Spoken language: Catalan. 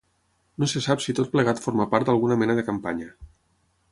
No se sap si tot plegat forma part d’alguna mena de campanya.